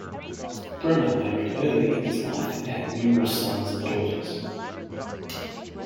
Bremner married early in his life and had numerous sons and daughters.